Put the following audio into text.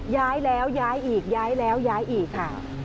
ย้ายแล้วย้ายอีกย้ายแล้วย้ายอีกค่ะ